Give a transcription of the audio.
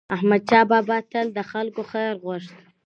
احمدشاه بابا به تل د خلکو خیر غوښت.